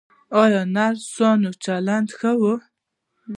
ایا نرسانو چلند ښه و؟